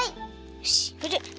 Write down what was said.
よしふる！